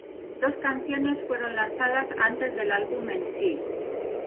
Dos canciones fueron lanzadas antes del álbum en sí.